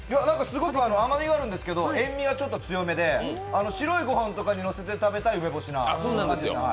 すごく甘みがあるんですけど塩味は強めで白いご飯とかにのせて食べたい梅干しみたいな。